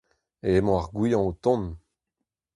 Emañ ar goañv o tont !